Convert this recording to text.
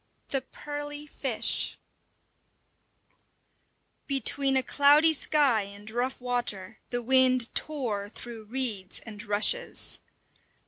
V: THE PEARLY FISH Between a cloudy sky and rough water the wind tore through reeds and rushes.